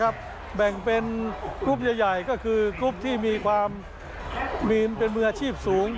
แบ่งเป็นกรุ๊ปใหญ่ก็คือกรุ๊ปที่มีความเป็นมืออาชีพสูง